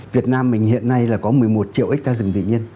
việt nam mình hiện nay là có một mươi một triệu hectare rừng tự nhiên